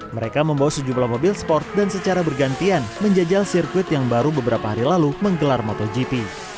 mereka membawa sejumlah mobil sport dan secara bergantian menjajal sirkuit yang baru beberapa hari lalu menggelar motogp